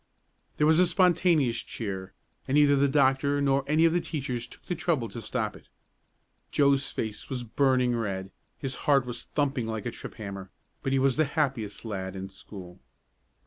There was a spontaneous cheer, and neither the doctor nor any of the teachers took the trouble to stop it. Joe's face was burning red, his heart was thumping like a trip hammer, but he was the happiest lad in school.